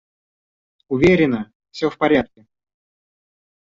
Уверена, все в порядке.